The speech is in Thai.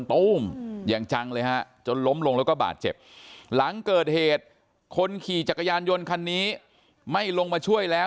ตู้มอย่างจังเลยฮะจนล้มลงแล้วก็บาดเจ็บหลังเกิดเหตุคนขี่จักรยานยนต์คันนี้ไม่ลงมาช่วยแล้ว